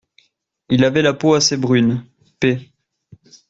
Il avait la peau assez brune (p.